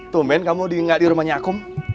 tumen kamu di rumahnya akum